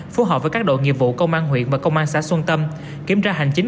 phù hợp với các đội nghiệp vụ công an huyện và công an xã xuân tâm kiểm tra hành chính